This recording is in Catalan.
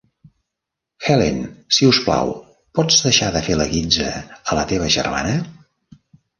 Helen, si us plau, pots deixar de fer la guitza a la teva germana?